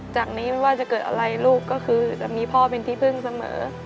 จากนี้ไม่ว่าจะเกิดอะไรลูกก็คือจะมีพ่อเป็นที่พึ่งเสมอ